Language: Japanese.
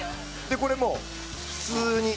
これもう普通に。